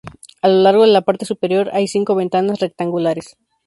A lo largo de la parte superior hay cinco ventanas rectangulares.